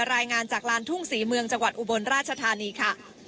รายงานจากลานทุ่งศรีเมืองจังหวัดอุบลราชธานีค่ะ